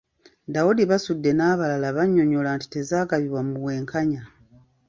Daudi Basudde n'abalala bannyonnyola nti tezaagabibwa mu bwenkanya.